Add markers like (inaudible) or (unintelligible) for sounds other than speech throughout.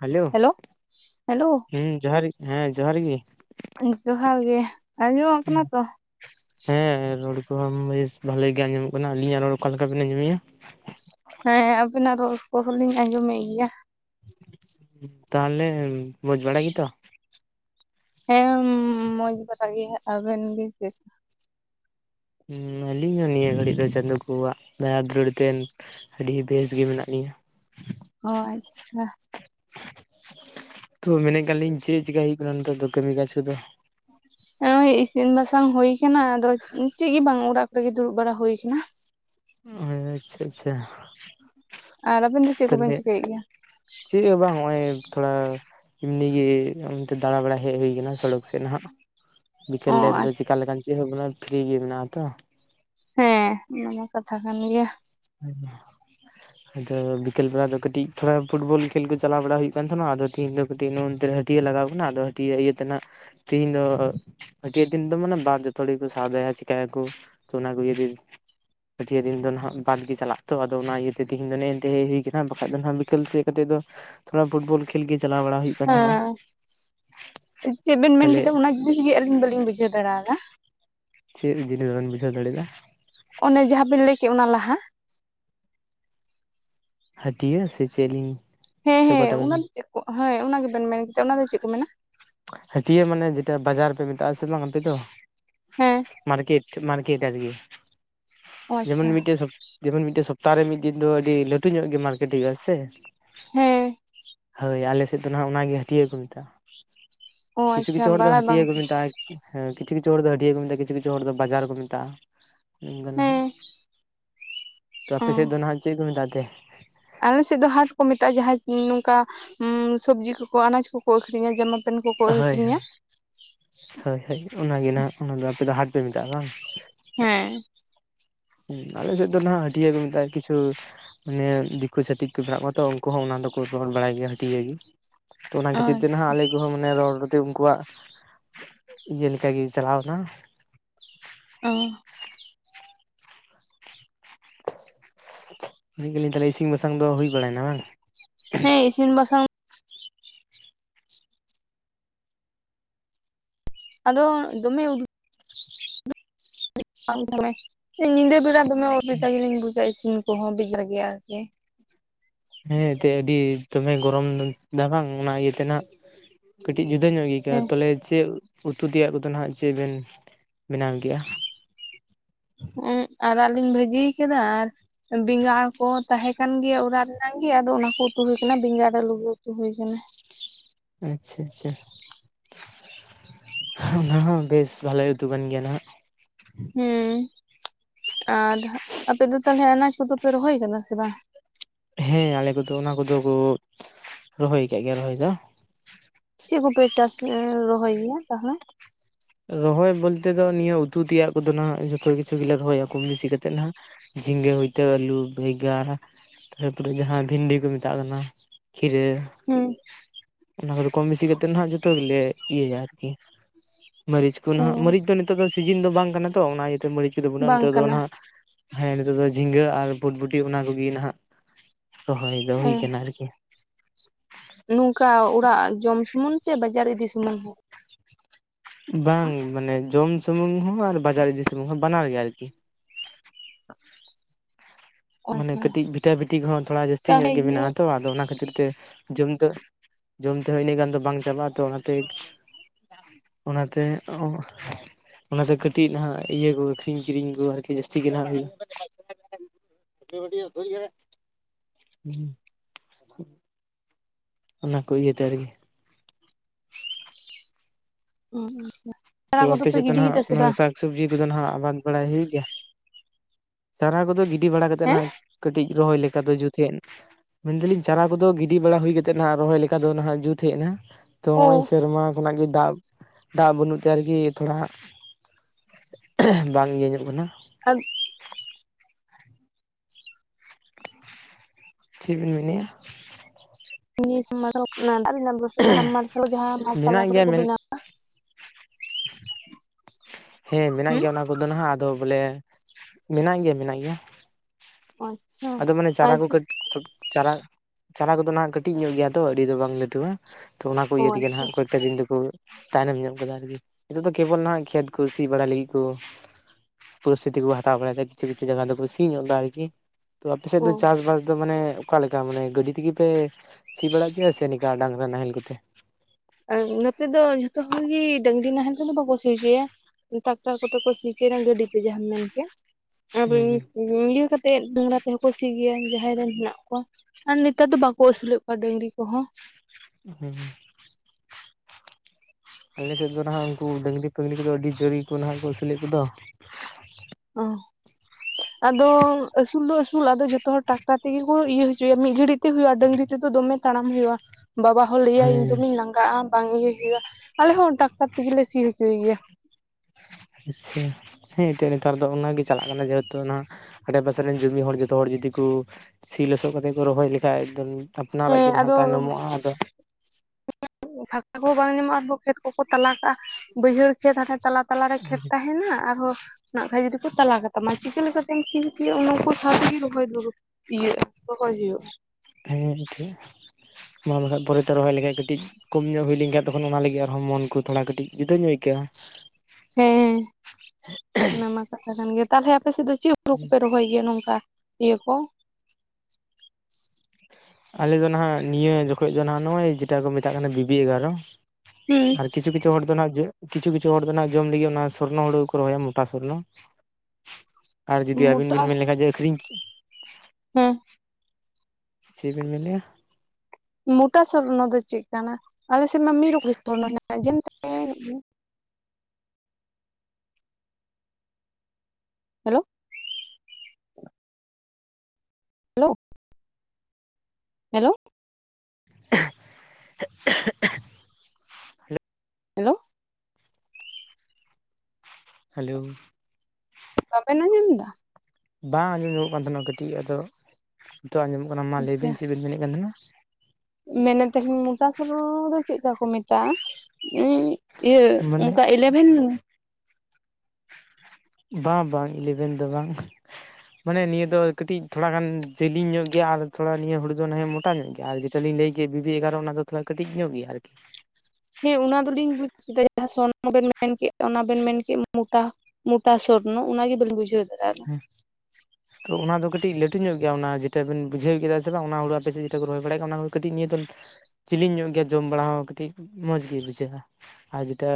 Hello hello ᱦᱸ, ᱡᱚᱦᱟᱨ ᱦᱮᱸ ᱡᱚᱦᱟᱨ ᱜᱮ ᱾ ᱡᱚᱦᱟᱨ ᱜᱮ ᱟᱸᱡᱚᱢᱚᱜ ᱠᱟᱱᱟ ᱛᱚ? ᱦᱮᱸ ᱨᱚᱲ ᱠᱚᱦᱚᱸ ᱵᱮᱥ ᱵᱷᱟᱞᱮ ᱜᱮ ᱟᱸᱡᱚᱢᱚᱜ ᱠᱟᱱᱟ᱾ ᱟᱹᱞᱤᱧᱟᱜ ᱨᱚᱲ ᱚᱠᱟ ᱞᱮᱠᱟ ᱵᱮᱤᱱ ᱟᱸᱡᱚᱢᱮᱜᱼᱟ? ᱦᱮᱸ ᱟᱵᱤᱱᱟᱜ ᱨᱚᱲ ᱠᱚᱦᱚᱸ ᱞᱤᱧ ᱟᱸᱡᱚᱢᱮᱜ ᱜᱮᱭᱟ᱾ ᱛᱟᱦᱚᱞᱮ ᱢᱚᱡᱽ ᱵᱟᱲᱟ ᱜᱮᱛᱚ? ᱦᱮᱸ ᱢᱚᱡᱽ ᱵᱟᱲᱟ ᱜᱮ, ᱟᱵᱮᱱ ᱜᱮ ᱪᱮᱫ ᱦᱸᱻ ᱟᱹᱞᱤᱧ ᱦᱚᱸ ᱱᱤᱭᱟᱹ ᱜᱷᱟᱹᱲᱤᱡ ᱫᱚ ᱪᱟᱸᱫᱳ ᱠᱚᱣᱟᱜ ᱫᱟᱭᱟ ᱫᱩᱞᱟᱹᱲᱛᱮ ᱟᱹᱰᱤ ᱵᱮᱥ ᱜᱮ ᱢᱮᱱᱟᱜ ᱞᱤᱧᱟᱹ ᱚᱸᱻ ᱟᱪᱪᱷᱟ᱾ ᱛᱚ ᱢᱮᱱᱮᱜ ᱠᱟᱱᱟᱞᱤᱧ ᱪᱮᱫ ᱪᱮᱠᱟ ᱦᱩᱭᱩᱜ ᱠᱟᱱᱟ ᱱᱮᱛᱟᱨ ᱫᱚ ᱠᱟᱹᱢᱤ ᱠᱟᱡᱽ ᱠᱚᱫᱚ? ᱦᱳᱭ ᱤᱥᱤᱱ ᱵᱟᱥᱟᱝ ᱦᱩᱭ ᱠᱟᱱᱟ ᱟᱫᱚ ᱪᱮᱜ ᱜᱮ ᱵᱟᱝ ᱚᱲᱟᱜ ᱠᱚᱨᱮ ᱫᱩᱲᱩᱵ ᱵᱟᱲᱟ ᱦᱩᱭ ᱠᱟᱱᱟ᱾ ᱚᱻᱟᱪᱪᱷᱟᱻᱟᱪᱪᱷᱟ᱾ ᱟᱨ ᱟᱵᱤᱱ ᱫᱚ ᱪᱮᱫ ᱠᱚᱵᱤᱱ ᱪᱤᱠᱟᱹᱭᱮᱜ ᱜᱮᱭᱟ? ᱪᱮᱜ ᱦᱚᱸ ᱵᱟᱝ ᱱᱚᱜᱼᱚᱭ ᱛᱷᱚᱲᱟ ᱮᱢᱱᱤᱜ ᱜᱮ ᱚᱱᱛᱮ ᱫᱟᱸᱬᱟ ᱵᱟᱲᱟᱟᱭ ᱦᱮᱡ ᱦᱩᱭ ᱠᱟᱱᱟ ᱥᱚᱲᱚᱠ ᱥᱮᱫ ᱦᱟᱸᱜ᱾ ᱚ ᱵᱤᱠᱮᱞ ᱴᱟᱭᱤᱢ ᱫᱚ ᱪᱮᱠᱟ ᱞᱮᱠᱟᱱ ᱪᱮᱫ ᱦᱚᱸ ᱵᱟᱹᱱᱩᱜᱼᱟ ᱠᱷᱞᱟᱹᱤ ᱤᱭᱟᱹ ᱢᱮᱱᱟᱜᱼᱟ ᱛᱚ᱾ ᱦᱮᱸ ᱚᱱᱟᱢᱟ ᱠᱟᱛᱷᱟ ᱠᱟᱱ ᱜᱮᱭᱟ᱾ ᱦ᱾ ᱟᱫᱚ ᱵᱤᱠᱮᱞ ᱵᱮᱲᱟ ᱫᱚ ᱠᱟᱹᱴᱤᱡ ᱛᱷᱚᱲᱟ ᱯᱷᱩᱴᱵᱚᱞ ᱠᱷᱮᱹᱞ ᱠᱚ ᱪᱟᱞᱟᱣ ᱵᱟᱲᱟ ᱦᱩᱭᱩᱜ ᱠᱟᱱ ᱛᱟᱦᱮᱸᱱᱟ ᱟᱫᱚ ᱛᱮᱦᱮᱧ ᱫᱚ ᱠᱟᱹᱴᱤᱡ ᱱᱚᱱᱛᱮ ᱦᱟᱹᱴᱭᱟᱹ ᱞᱟᱜᱟᱣ ᱠᱟᱱᱟ, ᱟᱫᱚ ᱦᱟᱹᱴᱭᱟᱹ ᱤᱭᱟᱹ ᱛᱮᱱᱟᱜ ᱛᱮᱦᱤᱧ ᱫᱚ ᱦᱟᱹᱴᱤᱭᱹ ᱫᱤᱱ ᱫᱚ ᱢᱟᱱᱮ ᱵᱟᱫ ᱡᱚᱛᱚ ᱦᱚᱲ ᱜᱮᱠᱚ, ᱥᱟᱦᱟᱣ ᱫᱟᱲᱮ ᱭᱟᱠᱚ ᱛᱚ ᱪᱤᱠᱟᱹᱭᱟᱠᱚ ᱛᱚ ᱚᱱᱟ ᱠᱚ ᱡᱩᱫᱤ ᱦᱟᱹᱴᱭᱟᱹ ᱫᱤᱱ ᱫᱚ ᱱᱟᱦᱟᱜ ᱵᱟᱫ ᱜᱮ ᱪᱟᱞᱟᱜ ᱛᱚ ᱟᱫᱚ ᱚᱱᱟ ᱤᱭᱟᱹᱛᱮ ᱛᱮᱦᱧ ᱫᱚ ᱦᱮᱜᱼᱮ ᱚᱱᱛᱮᱦᱮᱸᱜ ᱦᱩᱭ ᱠᱟᱱᱟ᱾ ᱵᱟᱠᱷᱟ ᱫᱚ ᱱᱟᱜ ᱵᱤᱠᱮᱞ ᱥᱮᱮᱫ ᱠᱟᱛᱮᱜ ᱫᱚ ᱛᱷᱚᱲᱟ ᱯᱷᱩᱴᱵᱚᱞ ᱠᱷ ᱜᱮ ᱪᱟᱞᱟᱣ ᱵᱟᱲᱟᱜ ᱦᱮᱸ ᱪᱮᱫ ᱵᱮᱱ ᱢᱮᱱ ᱛᱟᱦᱚᱞᱮ ᱠᱮᱫᱟ ᱚᱱᱟᱜᱤ ᱵᱩᱡ ᱜᱮ ᱟᱞᱤᱧ ᱵᱟᱹᱞᱤᱧ ᱵᱩᱡᱷᱟᱹᱣ ᱫᱟᱲᱮᱟ ᱫᱟ᱾ ᱪᱮᱫ ᱡᱤᱱᱤᱥ ᱵᱟᱵᱤᱱ ᱵᱩᱡᱷᱟᱹᱣ ᱫᱟᱲᱮᱭᱟᱫᱟ? ᱚᱱᱮ ᱡᱟᱦᱟᱸ ᱵᱤᱱ ᱞᱟᱹᱭ ᱠᱮᱜ ᱚᱱᱟ ᱞᱟᱦᱟ? ᱦᱟᱹᱴᱤᱭᱟᱹ ᱥᱮ ᱪᱮᱜ ᱞᱤᱧ ᱥᱮ ᱚᱠᱟᱴᱟᱜ ᱦᱮᱸᱻᱦᱮᱸᱻᱚᱱᱟ ᱵᱮᱱ ᱫᱚ ᱪᱮᱫ ᱠᱚ ᱦᱮᱸ ᱚᱱᱟ ᱜᱮᱵᱮᱱ ᱢᱮᱱ ᱠᱮᱫᱟ ᱚᱱᱟ ᱫᱚ ᱪᱮᱫ ᱠᱚ ᱢᱮᱱᱟ? ᱦᱟᱹᱴᱤᱭᱟᱹ ᱢᱟᱱᱮ ᱡᱮᱴᱟ ᱵᱟᱡᱟᱨ ᱯᱮ ᱢᱮᱛᱟᱜᱼᱟ, ᱥᱮ ᱵᱟᱝ? ᱟᱯᱮ ᱫᱚ ᱦᱮᱸ ᱢᱟᱨᱠᱮᱴ ᱢᱟᱨᱠᱮᱴ ᱟᱨᱠᱤ ᱚ ᱡᱮᱢᱚᱱ ᱟᱪᱪᱷᱟ ᱢᱤᱫᱴᱮᱱ ᱡᱮᱢᱚᱱ ᱢᱤᱫᱴᱮᱱ ᱥᱚᱯᱛᱟ ᱨᱮ ᱢᱤᱜ ᱫᱤᱱ ᱫᱚ ᱟᱹᱰᱤ ᱞᱟᱹᱴᱩ ᱞᱟᱴᱩ ᱧᱚᱜ ᱜᱮ ᱢᱟᱨᱠᱮᱴ ᱦᱩᱭᱩᱜᱼᱟ ᱥᱮ᱾ ᱦᱮᱸ ᱦᱳᱭ ᱟᱞᱮ ᱥᱮᱫ ᱫᱚ ᱱᱟᱜ ᱚᱱᱟᱜᱮ ᱦᱟᱹᱴᱭᱟᱹ ᱜᱮ ᱠᱚ ᱢᱮᱛᱟᱜᱼᱟ᱾ ᱚ ᱠᱤᱪᱷᱩ ᱟᱪᱪᱷᱟ ᱠᱤᱪᱷᱩ ᱦᱚᱲ ᱫᱚ ᱵᱟᱲᱟᱭ ᱵᱟᱝ ᱦᱟᱹᱴᱭᱟᱹ ᱠᱚ ᱢᱮᱛᱟᱜᱼᱟ᱾ ᱦᱮᱸ ᱠᱤᱪᱷᱩ ᱠᱤᱪᱷᱩ ᱦᱚᱲ ᱫᱚ ᱦᱟᱹᱴᱤᱭᱟᱹ ᱠᱚ ᱢᱮᱛᱟᱜᱼᱟ᱾ ᱠᱤᱪᱷᱩ ᱠᱤᱪᱷᱩ ᱫᱚ ᱵᱟᱡᱟᱨ ᱠᱚ ᱢᱮᱛᱟᱜᱼᱟ᱾ ᱩᱱ ᱫᱚ ᱱᱟᱦᱟᱜ ᱦᱮᱸ ᱛᱚ ᱚ ᱟᱯᱮ ᱥᱮᱫ ᱫᱚ ᱱᱟᱦᱟᱜ ᱪᱮᱫ ᱠᱚ ᱢᱮᱛᱟᱜ ᱛᱮ? ᱟᱞᱮ ᱥᱮᱫ ᱫᱚ ᱦᱟᱴ ᱠᱚ ᱢᱮᱛᱟᱜᱼᱟ᱾ ᱡᱟᱦᱟᱸᱭ ᱱᱚᱝᱠᱟ ᱥᱚᱵᱽᱡᱤ ᱠᱚ ᱟᱱᱟᱡ ᱠᱚᱠᱚ ᱟᱹᱠᱷᱨᱤᱧᱟ, ᱡᱮᱢᱚᱱ ᱦᱳᱭᱻᱦᱳᱭᱻᱦᱳᱭᱻᱦᱳᱭᱻᱚᱱᱟᱜᱮ᱾ ᱱᱟᱦᱟᱜ ᱚᱱᱟ ᱫᱚ ᱟᱯᱮ ᱫᱚ ᱦᱟᱴ ᱯᱮ ᱢᱮᱛᱟᱜᱼᱟ ᱵᱟᱝ? ᱦᱮᱸᱻ᱾ ᱦᱮᱸ ᱟᱞᱮ ᱥᱮᱫ ᱫᱚ ᱱᱟᱦᱟᱜ ᱦᱟᱹᱴᱤᱭᱟᱹᱠᱚ ᱢᱮᱛᱟᱜᱼᱟ᱾ ᱠᱤᱪᱷᱩ ᱚᱱᱮ ᱫᱤᱠᱩ ᱪᱷᱟᱹᱛᱤᱠ ᱠᱚ ᱢᱮᱱᱟᱜ ᱠᱚᱣᱟ ᱛᱚ ᱩᱱᱠᱩ ᱦᱚᱸ ᱚᱱᱟ ᱫᱚᱠᱚ ᱨᱚᱦᱚᱲ ᱵᱟᱲᱟᱭ ᱜᱮᱭᱟ ᱦᱟᱹᱴᱤᱭᱟᱹ ᱜᱮ᱾ ᱛᱚ ᱚᱱᱟ ᱚ ᱠᱟᱛᱤᱨ ᱛᱮ ᱱᱟᱦᱟᱜ ᱟᱞᱮ ᱩᱱᱠᱩᱦᱚᱸ ᱢᱟᱱᱮ ᱨᱚᱲ ᱠᱟᱛᱮ ᱩᱱᱠᱩᱣᱟᱜ ᱤᱭᱟᱹ ᱞᱮᱠᱟ ᱜᱮ ᱪᱟᱞᱟᱣ ᱱᱟ᱾ ᱚᱸᱻ ᱢᱤᱫ ᱜᱮᱞᱤᱧ ᱛᱟᱦᱚᱞᱮ ᱤᱥᱤᱱ ᱵᱟᱥᱟᱝ ᱫᱚ ᱦᱩᱭ ᱵᱟᱲᱟᱭ ᱮᱱᱟ ᱵᱟᱝ? ᱦᱮᱸ ᱤᱥᱤᱱ ᱵᱟᱥᱟᱝ ᱟᱫᱚ ᱫᱚᱢᱮ ᱩᱫᱜᱟᱹᱨ᱾ (unintelligible) ᱫᱚᱢᱮ ᱧᱤᱫᱟᱹ ᱵᱮᱲᱟ ᱫᱚᱢᱮ ᱚᱵᱤᱫᱟ ᱜᱮᱞᱤᱧ ᱵᱩᱡᱟ ᱤᱥᱤᱱ ᱠᱚᱦᱚᱸ ᱵᱮᱡᱟ ᱜᱮᱭᱟ ᱟᱨᱠᱤ ᱦᱮᱸ ᱮᱱᱛᱮᱫ ᱟᱹᱰᱤ ᱫᱚᱢᱮ ᱜᱚᱨᱚᱢ ᱮᱢ ᱫᱟ ᱵᱟᱝ ᱚᱱᱟ ᱤᱭᱟᱹᱛᱮ ᱱᱟᱱᱟᱜ ᱠᱟᱹᱴᱤᱡ ᱡᱩᱫᱟᱹ ᱧᱚᱜ ᱦᱮᱸ ᱟᱹᱭᱠᱟᱹᱜᱼᱟ ᱛᱟᱦᱚᱞᱮ ᱪᱮᱫ ᱩᱛᱩ ᱛᱮᱭᱟᱜ ᱠᱚᱫᱚ ᱱᱟᱦᱟᱜ ᱪᱮᱫ ᱵᱮᱱ ᱵᱮᱱᱟᱣ ᱜᱮᱭᱟ ᱟᱨᱟᱜ ᱞᱤᱧ ᱵᱷᱟᱹᱡᱤᱭ ᱠᱟᱫᱟ ᱟᱨ ᱵᱮᱸᱜᱟᱲ ᱠᱚ ᱛᱟᱦᱮᱸ ᱠᱟᱱ ᱜᱮᱭᱟ ᱚᱲᱟᱜ ᱨᱮᱱᱟᱜ ᱜᱮ ᱟᱫᱚ ᱚᱱᱟᱠᱚ ᱩᱛᱩ ᱦᱩᱭ ᱟᱠᱟᱱᱟ ᱵᱮᱸᱜᱟᱲ ᱟᱨ ᱟᱞᱩ ᱜᱮ ᱩᱛᱩ ᱦᱩᱭ ᱟᱠᱟᱱᱟ ᱟᱪᱪᱷᱟ ᱟᱪᱪᱷᱟ ᱚᱱᱟ ᱦᱚᱸ ᱵᱮᱥ ᱵᱷᱟᱞᱮ ᱩᱛᱩ ᱠᱟᱱ ᱜᱮᱭᱟ ᱱᱟᱜ ᱦᱮᱸ ᱟᱨ ᱟᱯᱮ ᱫᱚ ᱛᱟᱦᱚᱞᱮ ᱟᱱᱟᱡ ᱠᱚᱫᱚ ᱯᱮ ᱨᱚᱦᱚᱭ ᱟᱠᱟᱫᱟ ᱥᱮ ᱵᱟᱝ ᱦᱮᱸ ᱟᱞᱮ ᱠᱚᱫᱚ ᱚᱱᱟ ᱠᱚᱫᱚ ᱠᱚ ᱨᱚᱦᱚᱭ ᱟᱠᱟᱜ ᱜᱮᱭᱟ ᱟᱞᱮ ᱥᱮᱫ ᱫᱚ ᱪᱮᱫ ᱠᱚᱯᱮ ᱪᱟᱥ ᱨᱚᱦᱚᱭ ᱜᱮᱭᱟ ᱛᱟᱦᱚᱞᱮ ᱨᱚᱦᱚᱭ ᱵᱚᱞᱛᱮ ᱫᱚ ᱱᱤᱭᱟᱹ ᱩᱛᱩ ᱛᱮᱭᱟᱜ ᱠᱚᱫᱚ ᱡᱚᱛᱚ ᱠᱤᱪᱷᱩ ᱜᱮᱞᱮ ᱨᱚᱦᱚᱭᱟ ᱠᱚᱢ ᱵᱤᱥᱤ ᱠᱟᱛᱮᱫ ᱱᱟᱜ ᱡᱷᱤᱸᱜᱟᱹ ᱦᱩᱛᱟ ᱟᱞᱩ ᱵᱮᱸᱜᱟᱲ ᱛᱟᱨᱟᱯᱚᱨᱮ ᱡᱟᱦᱟᱸ ᱵᱷᱤᱱᱰᱤ ᱠᱚ ᱢᱮᱛᱟᱜ ᱠᱟᱱᱟ ᱠᱷᱤᱨᱟᱹ ᱦᱩᱸ ᱚᱱᱟ ᱠᱚᱨᱮ ᱠᱚᱢ ᱵᱮᱥᱤ ᱠᱟᱛᱮ ᱱᱟᱜ ᱡᱚᱛᱚ ᱜᱮᱞᱮ ᱤᱭᱟᱹᱭᱟ ᱟᱨᱠᱤ ᱢᱟᱹᱨᱤᱪ ᱠᱚ ᱚ ᱱᱟᱦᱟᱜ ᱢᱟᱹᱨᱤᱪ ᱫᱚ ᱱᱤᱛᱚᱜ ᱫᱚ ᱥᱤᱡᱤᱱ ᱫᱚ ᱵᱟᱝ ᱠᱟᱱᱟ ᱛᱚ ᱚᱱᱟ ᱤᱭᱟᱹᱛᱮ ᱢᱟᱹᱨᱤᱪ ᱠᱚᱫᱚ ᱵᱟᱹᱱᱩᱜᱼᱟ ᱵᱟᱝ ᱱᱤᱛᱚᱜ ᱫᱚ ᱠᱟᱱᱟ ᱱᱟᱦᱟᱜ ᱦᱮᱸ ᱱᱤᱛᱚᱜ ᱫᱚ ᱡᱷᱤᱸᱜᱟᱹ ᱟᱨ ᱵᱩᱨᱵᱩᱴᱤ ᱚᱱᱟ ᱠᱚᱜᱮ ᱱᱟᱦᱟᱜ ᱨᱚᱦᱚᱭ ᱫᱚ ᱚ ᱦᱩᱭ ᱟᱠᱟᱱᱟ ᱟᱨᱠᱤ ᱱᱚᱝᱠᱟ ᱚᱲᱟᱜ ᱡᱚᱢ ᱥᱩᱢᱩᱝ ᱥᱮ ᱵᱟᱡᱟᱨ ᱤᱫᱤ ᱥᱩᱢᱩᱱ ᱦᱚᱸ ᱵᱟᱝ ᱢᱟᱱᱮ ᱡᱚᱢ ᱥᱩᱢᱩᱝ ᱦᱚᱸ ᱟᱨ ᱵᱟᱡᱟᱨ ᱤᱫᱤ ᱥᱩᱢᱩᱝ ᱦᱚᱸ ᱵᱟᱱᱟᱨ ᱜᱮ ᱟᱨᱠᱤ ᱢᱟᱱᱮ ᱟᱪᱪᱷᱟ ᱠᱟᱹᱴᱤᱡ ᱵᱷᱤᱴᱟᱵᱷᱤᱴᱤ ᱠᱚᱦᱚᱸ ᱛᱷᱚᱲᱟ ᱡᱟᱹᱥᱛᱤ ᱛᱟᱦᱚᱞᱮ ᱧᱚᱜ ᱜᱮ ᱤᱭᱟᱹ ᱢᱮᱱᱟᱜᱼᱟ ᱟᱛᱚ ᱟᱫᱚ ᱚᱱᱟ ᱠᱷᱟᱹᱛᱤᱨ ᱛᱮ ᱡᱚᱢᱛᱮ ᱡᱚᱢ ᱛᱮᱦᱚᱸ ᱤᱱᱟᱹᱜ ᱜᱟᱱ ᱫᱚ ᱵᱟᱝ ᱪᱟᱵᱟᱜᱼᱟ ᱛᱚ ᱚᱱᱟᱛᱮ ᱚᱱᱟ ᱛᱮ ᱚ ᱚᱱᱟᱛᱮ ᱠᱟᱹᱴᱤᱡ ᱱᱟᱦᱟᱜ ᱤᱭᱟᱹ ᱠᱚ ᱟᱹᱠᱷᱨᱤᱧ ᱠᱤᱨᱤᱧ ᱠᱚ ᱟᱨᱠᱤ ᱡᱟᱹᱥᱛᱤ ᱜᱮ ᱦᱟᱜ ᱦᱩᱭᱩᱜ ᱦᱩᱸ ᱻ (inaudible) ᱚᱱᱟ ᱠᱚ ᱤᱭᱟᱹᱛᱮ ᱟᱨᱜᱮ ᱦᱩᱜ ᱩ ᱛᱚᱲᱟ ᱠᱚᱫᱚ ᱯᱮ ᱜᱤᱰᱤ ᱠᱮᱫᱟ ᱥᱮ ᱵᱟᱝ ᱥᱚᱵᱡᱤ ᱠᱚᱫᱚ ᱦᱟᱜ ᱵᱟᱫᱽ ᱵᱟᱲᱟᱭ ᱦᱩᱭᱩᱜ ᱜᱮᱭᱟ ᱪᱟᱨᱦᱟ ᱠᱚᱫᱚ ᱜᱤᱰᱤ ᱵᱟᱲᱟ ᱠᱟᱛᱮᱫ ᱦᱮᱸ? ᱦᱟᱜ ᱠᱟᱹᱴᱤᱡ ᱨᱚᱦᱚᱭ ᱞᱮᱠᱟ ᱫᱚ ᱡᱩᱛᱮᱫ ᱢᱮᱱᱫᱟᱞᱤᱧ ᱪᱟᱨᱟ ᱠᱚᱫᱚ ᱜᱤᱰᱤ ᱵᱟᱲᱟ ᱦᱩᱭ ᱠᱟᱛᱮᱫ ᱱᱟᱜ ᱨᱚᱦᱚᱭ ᱞᱮᱠᱟ ᱫᱚ ᱱᱟᱜ ᱡᱩᱛ ᱦᱮᱡ ᱮᱱᱟ ᱛᱚ ᱦᱚᱜᱼᱚᱭ ᱚ ᱥᱮᱨᱢᱟ ᱠᱷᱚᱱᱟᱜ ᱜᱮ ᱫᱟᱜ, ᱫᱟᱜ ᱵᱟᱹᱱᱩᱜ ᱛᱮ ᱟᱨᱠᱤ ᱛᱷᱚᱲᱟ ᱵᱟᱝ ᱤᱭᱟᱹ ᱧᱚᱜ ᱠᱟᱱᱟ (inaudible) (unintelligible) ᱪᱮᱫ ᱵᱤᱱ ᱢᱮᱱᱮᱜᱼᱟ (inaudible) (inaudible) (inaudible) (inaudible) ᱢᱮᱱᱟᱜ ᱜᱮᱭᱟ ᱢᱮᱱ ᱵᱮᱱᱟᱣ (unintelligible) (inaudible) ᱦᱮᱸ ᱢᱮᱱᱟᱜ ᱜᱮᱭᱟ ᱚᱱᱟ ᱠᱚᱫᱚ ᱱᱟᱦᱟᱜ ᱟᱫᱚ ᱵᱚᱞᱮ ᱢᱮᱱᱟᱜ ᱜᱮᱭᱟ ᱢᱮᱱᱟᱜ ᱜᱮᱭᱟ ᱟᱪᱪᱷᱟ ᱟᱫᱚ ᱢᱟᱱᱮ ᱪᱟᱨᱟ ᱟᱪ ᱠᱚ (inaudible) ᱪᱟᱨᱟ, ᱪᱟᱨᱟ ᱠᱚᱫᱚ ᱱᱟᱜ ᱠᱟᱹᱴᱤᱡ ᱧᱚᱜ ᱜᱮᱭᱟ ᱛᱚ ᱟᱹᱰᱤ ᱫᱚ ᱵᱟᱝ ᱞᱟᱹᱴᱩᱣᱟ ᱛᱚ ᱚᱱᱟ ᱠᱚ ᱚ ᱤᱭᱟᱹ ᱛᱮᱜᱮ ᱟᱪᱪᱷᱟ ᱱᱟᱦᱟᱜ ᱠᱚᱭᱮᱴᱟ ᱫᱤᱱ ᱫᱚᱠᱚ ᱛᱟᱭᱱᱚᱢ ᱧᱚᱜ ᱠᱟᱫᱟ ᱟᱨᱠᱤ ᱱᱤᱛᱚᱜ ᱫᱚ ᱠᱮᱵᱚᱞ ᱱᱟᱦᱟᱜ ᱠᱷᱮᱛ ᱠᱚ ᱥᱤ ᱵᱟᱲᱟ ᱞᱟᱹᱜᱤᱜ ᱠᱚ ᱯᱚᱨᱤᱥᱛᱷᱤᱛᱤ ᱠᱚ ᱦᱟᱛᱟᱣ ᱵᱟᱲᱟ ᱮᱫᱟ ᱠᱤᱪᱷᱩ ᱠᱤᱪᱷᱩ ᱡᱟᱭᱜᱟ ᱫᱚᱠᱚ ᱥᱤᱧ ᱚᱫᱟ ᱟᱨᱠᱤ ᱛᱚ ᱟᱯᱮ ᱥᱮᱫ ᱚ ᱫᱚ ᱪᱟᱥᱵᱟᱥ ᱫᱚ ᱢᱟᱱᱮ ᱚᱠᱟ ᱞᱮᱠᱟ ᱢᱟᱱᱮ ᱜᱟᱹᱰᱤ ᱛᱮᱜᱮ ᱯᱮ ᱥᱤ ᱵᱟᱲᱟ ᱚᱪᱚᱭᱟ ᱥᱮ ᱱᱤᱝᱠᱟ ᱰᱟᱝᱨᱟ ᱱᱟᱦᱮᱞ ᱠᱚᱛᱮ ᱟᱨ ᱱᱚᱛᱮ ᱫᱚ ᱡᱷᱚᱛᱚ ᱦᱚᱲ ᱜᱮ ᱰᱟᱝᱨᱤ ᱱᱟᱦᱮᱞ ᱛᱮᱫᱚ ᱵᱟᱠᱚ ᱥᱤ ᱦᱚᱪᱚᱭᱟ ᱴᱟᱠᱴᱟᱨ ᱠᱚᱛᱮ ᱠᱚ (inaudible) ᱜᱟᱹᱰᱤ ᱛᱮ ᱡᱟᱦᱟᱢ ᱢᱮᱱ ᱠᱮᱫ ᱦᱩᱸ (unintelligible) (inaudible) ᱤᱭᱟᱹ ᱠᱟᱛᱮᱜ ᱰᱟᱝᱨᱟ ᱛᱮᱦᱚᱸ ᱠᱚ ᱥᱤ ᱜᱮᱭᱟ ᱡᱟᱦᱟᱭ ᱨᱮᱱ ᱦᱮᱱᱟᱜ ᱠᱚᱣᱟ ᱟᱨ ᱱᱮᱛᱟᱨ ᱫᱚ ᱵᱟᱠᱚ ᱟᱹᱥᱩᱞᱮᱫ ᱠᱚᱣᱟ ᱰᱟᱹᱝᱨᱤ ᱠᱚᱦᱚᱸ ᱦᱩᱸ ᱟᱞᱮ ᱥᱮᱫ ᱫᱚ ᱱᱟᱦᱟᱜ ᱩᱱᱠᱩ ᱰᱟᱝᱨᱤ ᱯᱟᱝᱨᱤ ᱠᱚᱫᱚ ᱟᱹᱰᱤ ᱡᱩᱨ ᱜᱮᱠᱚ ᱱᱟᱦᱟᱜ ᱠᱚ ᱟᱹᱥᱩᱞᱮᱫ ᱠᱚᱫᱚ ᱚ ᱟᱫᱚ ᱟᱹᱥᱩᱞ ᱫᱚ ᱟᱹᱥᱩᱞ ᱟᱫᱚ ᱡᱚᱛᱚ ᱦᱚᱲ ᱴᱟᱠᱴᱟᱨ ᱛᱮᱜᱮ ᱠᱚ ᱤᱭᱟᱹ ᱦᱚᱪᱚᱭᱟ ᱢᱤᱫ ᱜᱷᱟᱹᱲᱤᱡ ᱛᱤ ᱦᱩᱭᱩᱜ-ᱟ ᱰᱟᱝᱨᱤ ᱛᱮᱫᱚ ᱫᱚᱢᱮ ᱛᱟᱲᱟᱢ ᱦᱳᱭᱳᱜᱼᱟ᱾ ᱵᱟᱵᱟ ᱦᱚᱸ ᱞᱟᱹᱭᱟᱭ ᱤᱧ ᱦᱮᱸ ᱫᱚᱢᱮᱧ ᱞᱟᱸᱜᱟᱜᱼᱟ ᱵᱟᱝ ᱤᱭᱟᱹᱭ ᱦᱳᱭᱳᱜ-ᱟ, ᱟᱞᱮ ᱦᱚᱸ ᱴᱟᱠᱛᱟᱨ ᱛᱮᱜᱮ ᱞᱮ ᱥᱤ ᱦᱚᱪᱚᱭ ᱜᱮᱭᱟ᱾ ᱟᱪᱪᱷᱟ ᱦᱮᱸ ᱮᱱᱛᱮᱫ ᱱᱮᱛᱟᱨ ᱫᱚ ᱚᱱᱟᱜᱮ ᱪᱟᱞᱟᱜ ᱠᱟᱱᱟ ᱡᱮᱦᱩᱛᱩ ᱚᱱᱟ᱾ ᱟᱰᱮᱯᱟᱥᱮ ᱨᱮᱱ ᱡᱩᱫᱤ ᱦᱚᱲ ᱡᱷᱚᱛᱚ ᱦᱚᱲ ᱡᱩᱫᱤ ᱠᱚ ᱥᱤ ᱞᱚᱥᱚᱜ ᱠᱟᱛᱮᱜ ᱠᱚ ᱨᱚᱦᱚᱭ ᱞᱮᱠᱷᱟᱡ, ᱟᱯᱱᱟᱨᱟᱜ ᱦᱮᱸ ᱜᱮ ᱱᱟᱦᱟᱜ ᱟᱫᱚ ᱛᱟᱭᱱᱚᱢᱚᱜ-ᱟ, ᱟᱫᱚ ᱯᱷᱟᱸᱠᱟ ᱠᱚᱦᱚᱸ ᱵᱟᱝ ᱧᱟᱢᱚᱜᱼᱟ ᱵᱟᱹᱫ ᱠᱷᱮᱛ ᱠᱚᱠᱚ ᱛᱟᱞᱟ ᱠᱟᱜᱼᱟ ᱵᱟᱹᱭᱦᱟᱹᱲ ᱠᱷᱮᱛ ᱦᱟᱱᱮ ᱛᱟᱞᱟ ᱛᱟᱞᱟᱨᱮ ᱠᱷᱮᱛ ᱛᱟᱦᱮᱱᱟ ᱟᱨᱦᱚᱸ ᱱᱟᱜ ᱠᱷᱟᱡ ᱡᱩᱫᱤ ᱠᱚ ᱛᱟᱞᱟ ᱠᱟᱛᱟᱢᱟ ᱪᱤᱠᱟᱹ ᱞᱮᱠᱟᱛᱮᱢ ᱥᱤ ᱦᱚᱪᱚᱭᱟ ᱚᱱᱠᱩ ᱥᱟᱶ ᱛᱮᱜᱮ ᱨᱚᱦᱚᱭ ᱫᱚ᱾ ᱤᱭᱟᱹᱜᱼᱟ ᱨᱚᱦᱚᱭ ᱦᱳᱭᱳᱜᱼᱟ᱾ ᱦᱮᱸ ᱮᱱᱛᱮ ᱢᱟ ᱵᱟᱠᱷᱟᱡ ᱯᱚᱨᱮᱛᱮ ᱨᱚᱦᱚᱭ ᱞᱮᱠᱷᱟᱡ ᱠᱟᱹᱴᱤᱡ᱾ ᱠᱚᱢ ᱧᱚᱜ ᱦᱩᱭ ᱞᱮᱱᱠᱷᱟᱱ ᱛᱚᱠᱷᱚᱱ ᱚᱱᱟ ᱞᱟᱹᱜᱤᱫ ᱟᱨᱦᱚᱸ ᱢᱚᱱ ᱠᱚ ᱛᱷᱚᱲᱟ ᱠᱟᱹᱴᱤᱡ ᱡᱩᱫᱟᱹ ᱧᱚᱜ ᱟᱹᱭᱠᱟᱹᱜᱼᱟ᱾ ᱦᱮᱸ ᱚᱱᱟ ᱢᱟ ᱠᱟᱛᱷᱟ ᱠᱟᱱ ᱜᱮᱛᱟᱦᱞᱮ ᱟᱯᱮᱥᱮᱫ ᱫᱚ ᱪᱮᱫ ᱦᱩᱲᱩ ᱠᱚᱯᱮ ᱨᱚᱦᱚᱭ ᱜᱮᱭᱟ ᱱᱚᱝᱠᱟ? ᱤᱭᱟᱹ ᱠᱚ ᱟᱞᱮ ᱫᱚ ᱱᱟᱦᱟᱜ ᱱᱤᱭᱟᱹ ᱡᱚᱠᱷᱚᱡ ᱫᱚ ᱱᱟᱦᱟᱜ ᱱᱚᱜᱼᱚᱭ ᱡᱮᱴᱟ ᱠᱚ ᱢᱮᱛᱟᱜ ᱠᱟᱱᱟ ᱵᱤᱵᱤ ᱮᱜᱟᱨᱚ ᱦᱩᱸ ᱟᱨ ᱠᱤᱪᱷᱩ ᱠᱤᱪᱷᱩ ᱦᱚᱲ ᱫᱚ ᱱᱟᱜ ᱡᱮ, ᱠᱤᱪᱷᱩ ᱠᱤᱪᱷᱩ ᱦᱚᱲ ᱫᱚ ᱱᱟᱜ ᱡᱚᱢ ᱞᱟᱹᱜᱤᱫ ᱚᱱᱟ ᱥᱚᱨᱱᱚ ᱦᱩᱲᱩ ᱜᱮᱠᱚ ᱨᱚᱦᱚᱭᱟ ᱢᱚᱴᱟ ᱥᱚᱨᱱᱚ᱾ ᱟᱨ ᱡᱩᱫᱤ ᱟᱵᱤᱱ ᱢᱚᱴᱟ ᱵᱤᱱ ᱢᱮᱱᱞᱮᱠᱷᱟᱡ ᱡᱮ ᱟᱹᱠᱷᱨᱤᱧ ᱦᱮᱸ ᱪᱮᱫ ᱵᱤᱱ ᱢᱮᱱᱮᱜᱼᱟ? ᱢᱚᱴᱟ ᱥᱚᱨᱱᱚ ᱫᱚ ᱪᱮᱜᱠᱟᱱᱟ, ᱟᱞᱮ ᱥᱮᱫ ᱢᱟ (inaudible) hello hello hello hello hello hello ᱵᱟᱵᱤᱱ ᱟᱸᱡᱚᱢ ᱫᱟ? ᱵᱟᱝ ᱟᱸᱡᱚᱢ ᱧᱟᱢᱚᱜ ᱠᱟᱱ ᱛᱟᱦᱮᱱᱟ ᱠᱟᱹᱴᱤᱡ ᱟᱫᱚ ᱱᱤᱛᱚᱜ ᱟᱸᱡᱚᱢᱚᱜ ᱠᱟᱱᱟ, ᱢᱟ ᱞᱮ ᱟᱪᱪᱷᱟ ᱵᱤᱱ ᱪᱮᱫ ᱵᱤᱱ ᱢᱮᱱᱮᱫ ᱠᱟᱱ ᱛᱟᱦᱮᱱᱟ? ᱢᱮᱱᱮᱫ ᱛᱟᱦᱮᱱ ᱢᱚᱴᱟ ᱦᱳᱞᱚ ᱫᱚ ᱪᱮᱫᱠᱟ ᱠᱚ ᱢᱮᱛᱟᱜᱼᱟ᱾ ᱤᱧ ᱤᱭᱟᱹ ᱢᱟᱱᱮ ᱚᱱᱠᱟ ᱤᱞᱮᱵᱷᱮᱱ ᱵᱟ ᱵᱟᱝ ᱤᱞᱤᱵᱷᱮᱱ ᱫᱚ ᱵᱟᱝ ᱢᱟᱱᱮ ᱱᱤᱭᱟᱹ ᱫᱚ ᱠᱟᱹᱴᱤᱡ ᱛᱷᱚᱲᱟ ᱜᱟᱱ ᱡᱮᱞᱤᱧ ᱧᱚᱜ ᱜᱮᱭᱟ, ᱟᱨ ᱛᱷᱚᱲᱟ ᱱᱤᱭᱟᱹ ᱦᱩᱲᱩ ᱫᱚ (inaudible) ᱢᱚᱴᱟ ᱧᱚᱜ ᱜᱮᱭᱟ, ᱟᱨ ᱡᱮᱴᱟ ᱞᱤᱧ ᱞᱟᱹᱭ ᱠᱮᱜ ᱵᱤᱵᱤ ᱮᱜᱟᱨᱚ ᱚᱱᱟ ᱫᱚ ᱠᱟᱹᱴᱤᱡ ᱧᱚᱜ ᱜᱮᱭᱟ ᱟᱨᱠᱤ᱾ ᱦᱮᱸ ᱚᱱᱟ ᱫᱚᱞᱤᱧ ᱵᱩᱡ ᱠᱮᱫᱟ ᱡᱟᱦᱟᱸ ᱥᱚᱱᱱᱚ ᱵᱮᱱ ᱢᱮᱱ ᱠᱮᱫ ᱚᱱᱟ ᱵᱮᱱ ᱢᱮᱱᱠᱮᱫ ᱢᱚᱴᱟ ᱢᱩᱴᱟ ᱥᱚᱨᱱᱚ ᱚᱱᱟᱜᱮ ᱵᱟᱹᱞᱤᱧ ᱵᱩᱡᱷᱟᱹᱣ ᱫᱟᱲᱮᱭᱟᱫᱟ᱾ (unintelligible) ᱛᱚ ᱚᱱᱟᱫᱚ ᱠᱟᱹᱴᱤᱡ ᱞᱟᱹᱴᱩ ᱧᱚᱜ ᱜᱮᱭᱟ ᱚᱱᱟ ᱡᱮᱴᱟ ᱵᱮᱱ ᱵᱩᱡᱷᱟᱹᱣ ᱠᱮᱫᱟ ᱥᱮ ᱵᱟᱝ ᱚᱱᱟ ᱦᱩ ᱟᱮᱯᱮᱥᱮᱫ ᱡᱮᱴᱟ ᱠᱚ ᱨᱚᱦᱚᱭ ᱵᱟᱲᱟᱭᱟᱼᱟ ᱚᱱᱟ ᱦᱩ ᱠᱟᱹᱴᱤᱡ ᱱᱤᱭᱮ ᱫᱚ ᱡᱤᱞᱤᱧ ᱧᱚᱜ ᱜᱮᱭᱟ ᱡᱚᱢ ᱵᱟᱲᱟ ᱦᱚᱸ ᱠᱟᱹᱴᱤᱡ ᱢᱚᱡᱽ ᱜᱮ ᱵᱩᱡᱷᱟᱹᱜᱼᱟ ᱟᱨ ᱡᱮᱴᱟ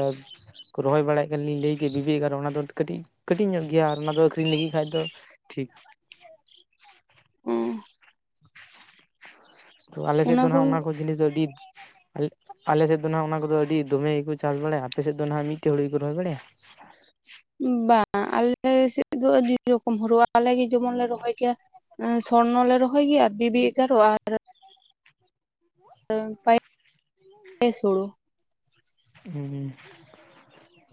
ᱨᱚᱦᱚᱭ ᱵᱟᱲᱟᱭᱮᱫ (inaudible) ᱞᱟᱹᱭ (unintelligible) ᱟᱨ ᱚᱱᱟ ᱫᱚ ᱠᱟᱹᱴᱤᱡ ᱠᱟᱹᱴᱤᱡ ᱧᱚᱜ ᱜᱮᱭᱟ ᱟᱨ ᱚᱱᱟ ᱫᱚ ᱟᱠᱷᱨᱤᱧ ᱞᱟᱹᱜᱤᱫ ᱠᱷᱟᱡ ᱫᱚ ᱴᱷᱤᱠ᱾ ᱦᱮᱸ ᱛᱚ ᱟᱞᱮ ᱥᱮᱫ ᱫᱚ ᱱᱟᱜᱷ ᱚᱱᱟ ᱠᱚ ᱡᱤᱱᱤᱥ ᱫᱚ ᱟᱞᱮ ᱥᱮᱫ ᱫᱚ ᱱᱟᱜᱷ ᱚᱱᱟ ᱠᱚᱫᱚ ᱟᱹᱰᱤ ᱫᱚᱢᱮ ᱜᱮᱠᱚ ᱪᱟᱥ ᱵᱟᱲᱟᱭᱟ ᱟᱯᱮ ᱥᱮᱫ ᱫᱚ ᱱᱟᱜᱷ ᱢᱤᱫᱴᱮᱡ ᱦᱩᱲᱩ ᱜᱮᱠᱚ ᱨᱚᱦᱚᱭ ᱵᱟᱲᱟᱭᱟ? ᱵᱟᱝ ᱟᱞᱮ ᱥᱮᱫ ᱫᱚ ᱟᱹᱰᱤ ᱨᱚᱠᱚᱢ ᱦᱳᱲᱳ ᱟᱞᱮ ᱜᱮ ᱡᱮᱢᱚᱱ ᱞᱮ ᱨᱚᱦᱚᱭ ᱜᱮᱭᱟ ᱥᱚᱨᱱᱚ ᱞᱮ ᱨᱚᱦᱚᱭ ᱜᱮᱭᱟ ᱟᱨ ᱵᱤᱵᱤ ᱮᱜᱟᱨᱚ ᱟᱨ ᱯᱟᱭᱮᱥ ᱦᱳᱲᱳ ᱦᱮᱸ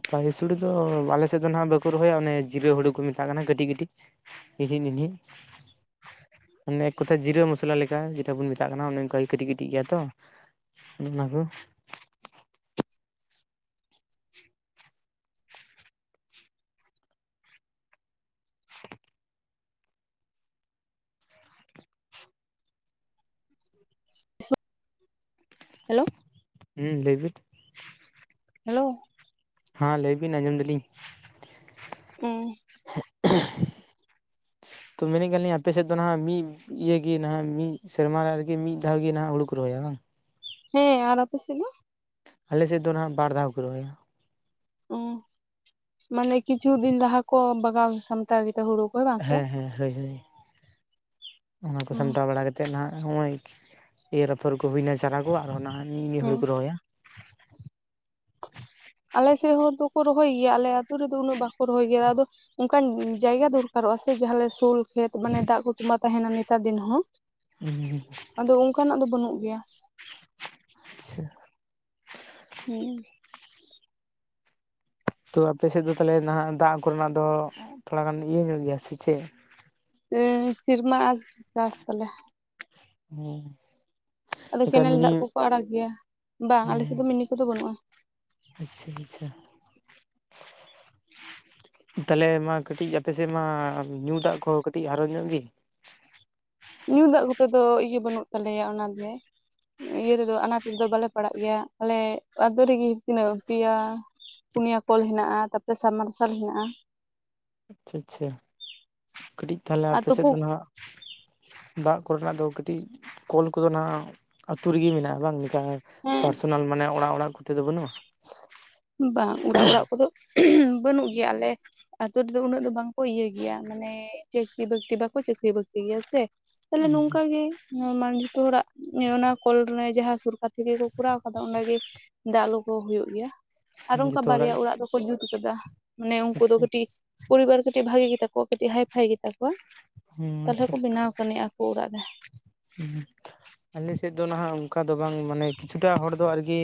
ᱯᱟᱭᱮᱥ ᱦᱳᱲᱳ ᱫᱚ ᱟᱞᱮ ᱥᱮᱫ ᱫᱚ ᱱᱟᱜᱷ ᱵᱟᱠᱚ ᱨᱚᱦᱚᱭᱟ ᱚᱱᱮ ᱡᱤᱨᱟᱹ ᱦᱳᱲᱳ ᱠᱚ ᱢᱮᱛᱟᱜ ᱠᱟᱱᱟ ᱠᱟᱹᱴᱤᱡ ᱠᱟᱹᱴᱤᱡ ᱱᱤᱪᱦᱤᱪ ᱱᱤᱱᱦᱤᱪ᱾ ᱚᱱᱮ ᱠᱚᱛᱷᱟ ᱡᱤᱨᱟᱹ ᱢᱚᱥᱞᱟ ᱞᱮᱠᱟ ᱡᱮᱴᱟ ᱵᱚᱱ ᱢᱮᱛᱟᱜ ᱠᱟᱱᱟ ᱚᱱᱮ ᱚᱱᱠᱟ ᱠᱟᱹᱴᱤᱡ ᱠᱟᱹᱴᱤᱡ ᱜᱮᱭᱟ ᱛᱚ ᱚᱱᱮ ᱚᱱᱟ ᱠᱚ (unintelligible) ᱦᱮᱞᱳ ᱦᱩᱸ ᱞᱟᱹᱭ ᱵᱤᱱ᱾ ᱦᱮᱞᱚ ᱦᱮᱸ ᱞᱟᱹᱭ ᱵᱤᱱ ᱟᱸᱡᱚᱢ ᱫᱟ ᱞᱤᱧ᱾ ᱩᱸᱻ (unintelligible) ᱛᱚ ᱢᱮᱱᱮᱫ ᱠᱟᱱᱟ ᱞᱤᱧ ᱟᱯᱮᱥᱮᱫ ᱫᱚ ᱱᱟᱦᱟᱜ ᱢᱤᱫ ᱤᱭᱮ ᱜᱮ ᱱᱟᱦᱟᱜ ᱢᱤᱫ ᱥᱮᱨᱢᱟ ᱨᱮᱜᱮ ᱢᱤᱫ ᱫᱷᱟᱣ ᱜᱮ ᱦᱩᱲᱩ ᱠᱚ ᱨᱚᱦᱚᱭᱟ ᱵᱟᱝ? ᱦᱮᱸ। ᱟᱨ ᱟᱯᱮ ᱥᱮᱫ ᱫᱚ? ᱟᱞᱮᱥᱮᱫ ᱫᱚ ᱱᱟᱦᱟᱜ ᱵᱟᱨ ᱫᱷᱟᱣ ᱠᱚ ᱨᱚᱦᱚᱭᱟ᱾ ᱩᱸ ᱢᱟᱱᱮ ᱠᱤᱪᱷᱩ ᱫᱤᱱ ᱞᱟᱦᱟ ᱠᱚ ᱵᱟᱜᱟᱣ ᱥᱟᱢᱴᱟᱣ ᱜᱮᱫᱟ ᱦᱩᱲᱩ᱾ ᱠᱚ ᱵᱟᱝ ᱥᱮ ᱦᱮᱸ ᱦᱮᱸ ᱦᱟ. ᱭ ᱦᱟ. ᱭ ᱚᱱᱟ ᱠᱚ ᱥᱟᱢᱴᱟᱣ ᱵᱟᱲᱟ ᱠᱟᱛᱮ ᱠᱟᱛᱮᱫ ᱱᱟᱦᱟᱜ ᱱᱚᱜᱼᱚᱭ ᱮᱨ ᱨᱟᱯᱷᱚᱨ ᱠᱚ ᱦᱩᱭᱱᱟ ᱪᱟᱨᱟ ᱠᱚᱣᱟᱜ ᱱᱟᱦᱟᱜ ᱱᱤᱼ ᱱᱤᱭᱟᱹ ᱦᱩᱲᱩ ᱦᱮᱸ ᱠᱚ ᱨᱚᱦᱚᱭᱟ ᱟᱞᱮ ᱥᱮᱫ ᱦᱚᱲ ᱫᱚᱠᱚ ᱨᱚᱦᱚᱭ ᱜᱮᱭᱟ ᱟᱞᱮ ᱟᱛᱩ ᱨᱮᱫᱚ ᱩᱱᱟᱹᱜ ᱵᱟᱠᱚ ᱨᱚᱦᱚᱭ ᱜᱮᱭᱟ ᱟᱫᱚ ᱚᱱᱠᱟᱱ ᱡᱟᱭᱜᱟ ᱫᱚᱨᱠᱟᱨᱚᱜᱼᱟ ᱥᱮ ᱡᱟᱦᱟᱸᱞᱮ ᱥᱳᱞ ᱠᱷᱮᱛ ᱢᱟᱱᱮ ᱫᱟᱜ ᱠᱚ ᱛᱚᱸᱟᱜ ᱛᱟᱦᱮᱱᱟ ᱱᱮᱛᱟᱨ ᱫᱤᱱ ᱦᱚᱸ (unintelligible) ᱟᱫᱚ ᱚᱱᱠᱟᱱᱟᱜ ᱫᱚ ᱵᱟᱹᱱᱩᱜ ᱜᱮᱭᱟ᱾ ᱟᱪᱪᱷᱟ᱾ ᱦᱩᱸᱻ ᱛᱚ ᱟᱯᱮ ᱥᱮᱫ ᱫᱚ ᱛᱟᱦᱚᱞᱮ ᱱᱟᱦᱟᱜ ᱫᱟᱜ ᱠᱚᱨᱮᱱᱟᱜ ᱫᱚ ᱛᱷᱚᱲᱟ ᱜᱟᱱ ᱤᱭᱟᱹ ᱧᱚᱜ ᱜᱮᱭᱟ ᱥᱮ ᱪᱮᱫ ᱩᱸᱻ ᱥᱤᱨᱢᱟ ᱟᱸᱥ ᱪᱟᱥ ᱛᱟᱞᱮ᱾ (unintelligible) ᱟᱫᱚ ᱚᱱᱠᱟ ᱠᱮᱱᱮᱞ ᱢᱤᱱᱤ ᱫᱟᱜ ᱠᱚᱠᱚ ᱟᱲᱟᱜᱽ ᱜᱮᱭᱟ ᱵᱟᱝ ᱟᱞᱮᱥᱮᱫ ᱫᱚ ᱢᱤᱱᱤ ᱠᱚᱫᱚ ᱵᱟᱹᱱᱩᱜᱼᱟ᱾ ᱟᱪᱪᱷᱟ ᱟᱪᱪᱷᱟ᱾ ᱛᱟᱞᱦᱮ ᱢᱟ ᱠᱟᱹᱴᱤᱡ ᱟᱯᱮ ᱥᱮᱫ ᱢᱟ ᱧᱩ ᱫᱟᱜ ᱠᱚᱦᱚᱸ ᱠᱟᱹᱴᱤᱡ ᱦᱟᱨᱚᱱ ᱧᱚᱜ ᱜᱮ ᱧᱩ ᱫᱟᱜ ᱠᱚᱛᱮ ᱫᱚ ᱤᱭᱟᱹ ᱵᱟᱹᱱᱩᱜ ᱛᱟᱞᱮᱭᱟ ᱚᱱᱟᱜᱮ᱾ ᱤᱭᱟᱹ ᱨᱮᱫᱚ ᱟᱱᱟᱴ ᱨᱮᱫᱚ ᱵᱟᱞᱮ ᱯᱟᱲᱟᱜ ᱜᱮᱭᱟ ᱟᱞᱮ ᱟᱛᱚ ᱨᱮᱜᱮ ᱛᱤᱱᱟᱹᱜ ᱯᱮᱭᱟ ᱯᱩᱱᱭᱟ ᱠᱚᱞ ᱦᱮᱱᱟᱜᱼᱟ ᱛᱟᱯᱚᱨᱮ ᱥᱟᱵᱽᱢᱟᱨᱥᱟᱞ ᱦᱮᱱᱟᱜᱼᱟ᱾ ᱟᱪᱪᱷᱟ ᱟᱪᱪᱷᱟ ᱠᱟᱹᱴᱤᱡ ᱛᱟᱦᱚᱞᱮ ᱟᱨ ᱟᱯᱮ ᱥᱮᱫ ᱛᱩᱯᱩ ᱫᱚ ᱱᱟᱦᱱᱟᱜ᱾ ᱫᱟᱜ ᱠᱚᱨᱮᱱᱟᱜ ᱫᱚ ᱠᱟᱹᱴᱤᱡ ᱠᱚᱞ ᱠᱚᱫᱚ ᱱᱟᱦᱟᱜ ᱟᱹᱛᱩ ᱨᱮᱜᱮ ᱢᱮᱱᱟᱜᱼᱟ ᱵᱟᱝ᱾ (unintelligible) ᱦᱮᱸ ᱯᱟᱨᱥᱚᱱᱟᱞ ᱢᱟᱱᱮ ᱚᱲᱟᱜ ᱚᱲᱟᱜ ᱠᱚᱛᱮᱫ ᱫᱚ ᱵᱟᱹᱱᱩᱜᱼᱟ? ᱵᱟᱝ ᱚᱲᱟᱜ ᱚᱲᱟᱜ ᱠᱚᱫᱚ (unintelligible) ᱵᱟᱹᱱᱩᱜ ᱜᱮᱭᱟ ᱟᱞᱮ ᱟᱛᱚ ᱨᱮᱫᱚ ᱩᱱᱟᱹᱜ ᱫᱚ ᱵᱟᱝᱠᱚ ᱤᱭᱟᱹᱭ ᱜᱮᱭᱟ ᱢᱟᱱᱮ ᱪᱟᱹᱠᱨᱤ ᱵᱟᱹᱠᱨᱤ ᱵᱟᱠᱚ ᱪᱟᱹᱠᱨᱤ ᱵᱟᱹᱠᱨᱤ ᱜᱮᱭᱟ ᱥᱮ ᱛᱟᱦᱞᱮ ᱱᱚᱝᱠᱟ ᱜᱮ (unintelligible) ᱡᱚᱛᱚ ᱦᱚᱲᱟᱜ ᱚᱱᱟ ᱠᱚᱞᱨᱮ ᱡᱟᱦᱟᱸ ᱥᱚᱨᱩᱨᱠᱟᱨ ᱛᱷᱮᱠᱮ ᱠᱚ ᱠᱚᱨᱟᱣ ᱟᱠᱟᱫᱟ ᱚᱸᱰᱮ ᱜᱮ ᱫᱟᱜ ᱞᱳ ᱠᱚ ᱦᱩᱭᱩᱜ ᱜᱮᱭᱟ ᱟᱨ ᱚᱱᱠᱟ ᱡᱚᱛᱚ ᱵᱟᱨᱭᱟ ᱦᱚᱲᱟᱜ ᱚᱲᱟᱜ ᱫᱚᱠᱚ ᱡᱩᱛ ᱠᱟᱫᱟ ᱢᱟᱱᱮ ᱩᱱᱠᱩ ᱫᱚ ᱟᱪᱪᱷᱟ ᱠᱟᱹᱴᱤᱡ ᱯᱚᱨᱤᱵᱟᱨ ᱠᱟᱹᱴᱤᱡ ᱵᱷᱟᱜᱤ ᱜᱮ ᱛᱟᱠᱚᱣᱟ ᱠᱟᱹᱴᱤᱡ ᱦᱟᱭᱯᱷᱟᱭ ᱜᱮ ᱛᱟᱠᱚᱣᱟ ᱦᱮᱸ ᱛᱟᱦᱞᱮ ᱟᱪᱪᱷᱟ ᱠᱚ ᱵᱮᱱᱟᱣ ᱠᱟᱱ ᱟᱠᱚ ᱚᱲᱟᱜ ᱨᱮ ᱟᱞᱮ ᱥᱮᱫ ᱫᱚ ᱱᱟᱦᱟᱜ ᱚᱱᱠᱟ ᱫᱚ ᱵᱟᱝ ᱢᱟᱱᱮ ᱠᱤᱪᱷᱩᱴᱟ ᱦᱚᱲ ᱫᱚ ᱟᱨᱠᱤ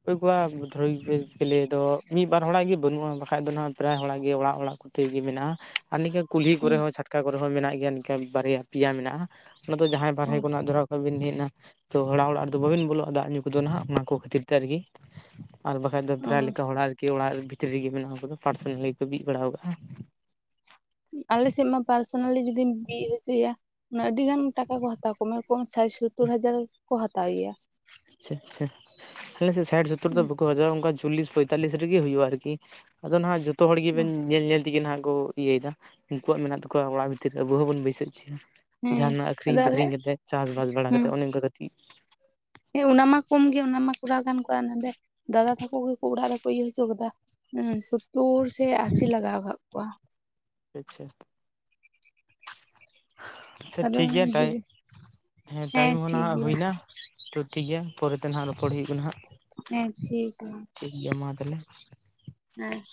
ᱚᱠᱚᱭ ᱠᱚᱣᱟᱜ ᱫᱷᱩᱨᱞᱮ ᱫᱚ ᱢᱤᱫ ᱵᱟᱨ ᱦᱚᱲᱟᱜ ᱜᱮ ᱵᱟᱹᱱᱩᱜ-ᱟ ᱵᱟᱠᱷᱟᱡ ᱫᱚ ᱱᱟᱦᱟᱜ ᱯᱨᱟᱭ ᱦᱚᱲᱟᱜ ᱜᱮ ᱚᱲᱟᱜ ᱚᱲᱟᱜ ᱠᱚᱛᱷᱮ ᱜᱮ ᱢᱮᱱᱟᱜ-ᱟ ᱟᱨ ᱱᱤᱝᱠᱟᱹ ᱠᱩᱞᱦᱤ ᱠᱚᱨᱮ ᱦᱚ ᱪᱷᱟᱴᱠᱟ ᱠᱚᱨᱮ ᱦᱚ ᱢᱮᱱᱟᱜ ᱜᱮᱭᱟ ᱱᱤᱠᱟᱹ ᱵᱟᱨᱭᱟ ᱯᱮᱭᱟ ᱢᱮᱱᱟᱜ-ᱟ ᱚᱱᱟ ᱫᱚ ᱡᱟᱦᱟᱭ ᱵᱟᱨᱦᱮ ᱠᱷᱚᱱᱟᱜ ᱫᱷᱚᱨᱟ... ᱵᱟᱵᱤᱱ ᱦᱮᱡ ᱮᱱᱟ ᱛᱚ ᱦᱚᱲᱟᱜ ᱚᱲᱟᱜ ᱨᱮᱫᱚ ᱵᱟᱵᱤᱱ ᱵᱚᱞᱚᱜ-ᱟ ᱫᱟᱜ ᱧᱩ ᱠᱚᱫᱚ ᱦᱟᱜ ᱚᱱᱟ ᱠᱚ ᱠᱷᱟᱹᱛᱤᱨ ᱛᱮ ᱟᱨᱠᱤ ᱟᱨ ᱵᱟᱠᱷᱟᱡ ᱫᱚ ᱯᱨᱟᱭ ᱞᱮᱠᱟ ᱦᱚᱲᱟᱜ ᱟᱨᱠᱤ ᱚᱲᱟᱜ ᱵᱷᱤᱛᱨᱤ ᱨᱮᱜᱮ ᱢᱮᱱᱟᱜ ᱩᱱᱠᱩ ᱯᱟᱨᱥᱚᱱᱟᱞ ᱜᱮ ᱠᱚ ᱵᱤᱫ ᱵᱟᱲᱟ ᱟᱠᱟᱜ-ᱟ ᱟᱞᱮᱥᱮᱫ ᱢᱟ ᱯᱟᱨᱥᱚᱱᱟᱞᱤ ᱡᱩᱫᱤᱢ ᱵᱤᱫ ᱦᱚᱪᱚᱭᱟ ᱚᱱᱮ ᱟᱹᱰᱤ ᱜᱟᱱ ᱴᱟᱠᱟ ᱠᱚ ᱦᱟᱛᱟᱣ ᱠᱚᱢ ᱨᱚᱠᱚᱢ ᱥᱟᱭ ᱥᱚᱛᱚᱨ ᱦᱟᱡᱟᱨ ᱠᱚ ᱦᱟᱛᱟᱣ ᱜᱮᱭᱟ ᱟᱪᱪᱷᱟ ᱟᱪᱪᱷᱟ ᱟᱞᱮᱥᱮᱫ ᱥᱟᱭᱴ ᱥᱚᱛᱚᱨ ᱫᱚ ᱵᱟᱠᱚ ᱦᱟᱡᱟᱨ-ᱟ ᱚᱱᱠᱟ ᱪᱚᱞᱤᱥ ᱯᱚᱭᱛᱟᱞᱤᱥ ᱨᱮᱜᱮ ᱦᱩᱭᱩᱜ-ᱟ ᱟᱨᱠᱤ ᱟᱫᱚ ᱦᱟᱱᱟᱜ ᱡᱚᱛᱚ ᱦᱚᱲ ᱜᱮᱵᱮᱱ ᱧᱮᱞ ᱧᱮᱞ ᱛᱮᱜᱮ ᱦᱟᱸᱜ ᱠᱚ ᱤᱭᱟᱹᱭ ᱮᱫᱟ ᱩᱱᱠᱩᱣᱟᱜ ᱢᱮᱱᱟᱜ ᱛᱟᱠᱚᱣᱟ ᱚᱲᱟᱜ ᱵᱷᱤᱛᱤᱨ ᱨᱮ ᱟᱵᱚ ᱦᱚᱸ ᱵᱚᱱ ᱵᱟᱹᱭᱥᱟᱹᱣ ᱚᱪᱚᱭᱟ ᱦᱮᱸ ᱡᱟᱦᱟᱱᱟᱜ ᱟᱹᱠᱷᱨᱤᱧ ᱟᱫᱚ ᱟᱞᱮ ᱵᱟᱹᱠᱷᱨᱤᱧ ᱠᱟᱛᱮᱫ ᱪᱟᱥ-ᱵᱟᱥ ᱵᱟᱲᱟ ᱠᱟᱛᱮᱫ ᱚᱱᱮ ᱚᱱᱠᱟ ᱠᱟᱹᱴᱤᱡ ᱦᱮ ᱚᱱᱟ ᱢᱟ ᱠᱚᱢ ᱜᱮ ᱚᱱᱟ ᱢᱟ ᱠᱚᱨᱟᱣ ᱜᱟᱱ ᱠᱚᱣᱟ ᱱᱚᱰᱮ ᱫᱟᱫᱟ ᱛᱟᱠᱚ ᱜᱮᱠᱚ ᱚᱲᱟᱜ ᱨᱮᱠᱚ ᱤᱭᱟᱹ ᱦᱚᱪᱚ ᱠᱟᱫᱟ ᱮ ᱛᱳᱨ ᱥᱮ ᱟᱥᱤ ᱞᱟᱜᱟᱣ ᱠᱟᱜ ᱠᱚᱣᱟ᱾ (unintelligible) ᱟᱪᱪᱷᱟ ᱟᱫᱚ ᱴᱷᱤᱠ ᱜᱮᱭᱟ ᱴᱟᱭ ᱦᱮᱸ ᱴᱟᱭᱤᱢ ᱦᱚᱸ ᱴᱷᱤᱠ ᱱᱟᱦᱟᱜ ᱜᱮᱭᱟ ᱦᱩᱭ ᱱᱟ᱾ ᱛᱚ ᱴᱷᱤᱠ ᱜᱮᱭᱟ ᱯᱚᱨᱮᱛᱮ ᱱᱟᱦᱟᱸ ᱨᱚᱯᱚᱲ ᱦᱳᱭᱳᱜ ᱠᱟᱱᱟ ᱦᱟᱜ᱾ ᱦᱮ ᱴᱷᱤᱠ ᱜᱮ᱾ ᱴᱷᱤᱠ ᱜᱮᱭᱟ ᱢᱟ ᱛᱟᱦᱚᱞᱮ᱾ ᱦᱮᱸ